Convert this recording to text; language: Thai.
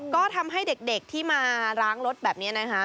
ก็ทำให้เด็กที่มาล้างรถแบบนี้นะคะ